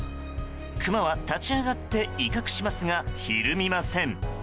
クマは立ち上がって威嚇しますがひるみません。